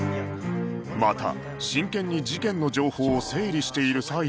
また真剣に事件の情報を整理している最中